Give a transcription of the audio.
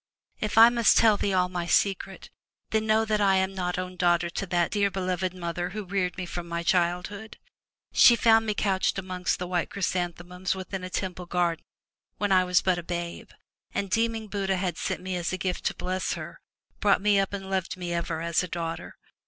If I must tell thee all my secret, then know that I am not own daughter to that dear beloved mother who reared me from my childhood. She found 380 FROM THE TOWER WINDOW me couched amidst the white chrysanthemums within a temple garden, when I was but a babe, and, deeming Buddha had sent me as a gift to bless her, brought me up and loved me ever as a daughter.